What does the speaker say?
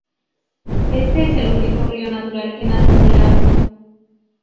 Este es el único río natural que nace en el lago.